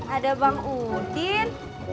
ada bang udin